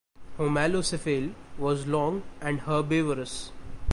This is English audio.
"Homalocephale" was long and herbivorous.